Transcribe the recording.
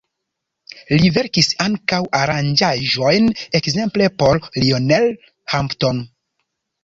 Li verkis ankaŭ aranĝaĵojn ekzemple por Lionel Hampton.